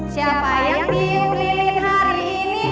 siapa yang sium lilin hari ini